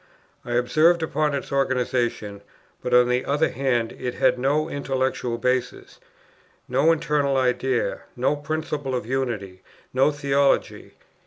I observed upon its organization; but on the other hand it had no intellectual basis; no internal idea, no principle of unity, no theology.